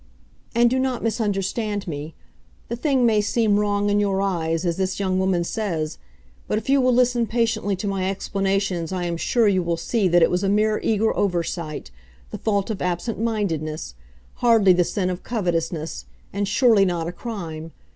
"And do not misunderstand me. The thing may seem wrong in your eyes, as this young woman says, but if you will listen patiently to my explanations I am sure you will see that it was a mere eager over sight the fault of absent mindedness, hardly the sin of covetousness, and surely not a crime.